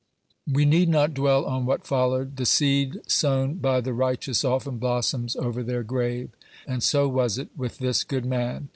We need not dwell on what followed. The seed sown by the righteous often blossoms over their grave; and so was it with this good man.